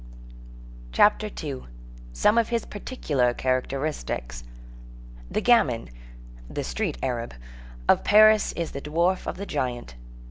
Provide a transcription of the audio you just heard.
CHAPTER II—SOME OF HIS PARTICULAR CHARACTERISTICS The gamin—the street Arab—of Paris is the dwarf of the giant.